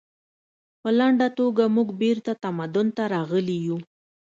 په لنډه توګه موږ بیرته تمدن ته راغلي یو